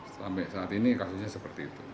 sampai saat ini kasusnya seperti itu